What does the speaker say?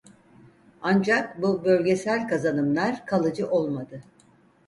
Ancak bu bölgesel kazanımlar kalıcı olmadı.